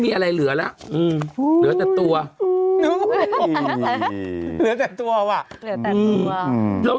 มีแต่หนี้สินค่ะ